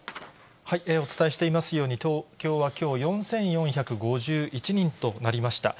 お伝えしていますように、東京はきょう、４４５１人となりました。